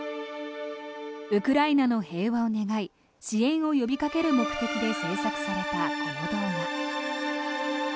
ウクライナの平和を願い支援を呼びかける目的で制作されたこの動画。